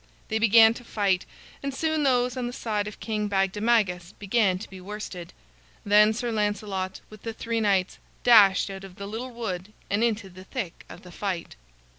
They began to fight, and soon those on the side of King Bagdemagus began to be worsted. Then Sir Lancelot, with the three knights, dashed out of the little wood and into the thick of the fight.